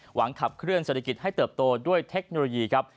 ขับเคลื่อเศรษฐกิจให้เติบโตด้วยเทคโนโลยีครับ